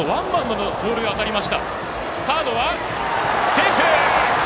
セーフ！